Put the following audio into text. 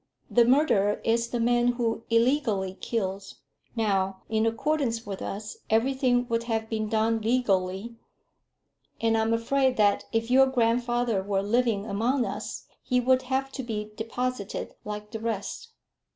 The murderer is the man who illegally kills. Now, in accordance with us, everything would have been done legally; and I'm afraid that if your grandfather were living among us, he would have to be deposited like the rest."